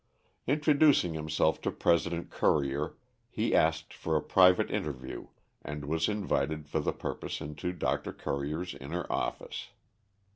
Introducing himself to President Currier he asked for a private interview, and was invited for the purpose into Dr. Currier's inner office.